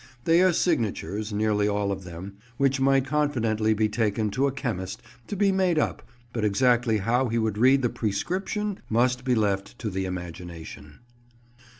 They are signatures, nearly all of them, which might confidently be taken to a chemist, to be "made up," but exactly how he would read the "prescription" must be left to the imagination.